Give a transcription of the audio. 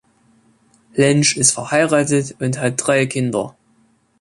Lentsch ist verheiratet und hat drei Kinder.